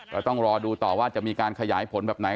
ก็ต้องรอดูต่อว่าจะมีการขยายผลแบบไหน